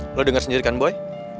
lo dengar sendiri kan boy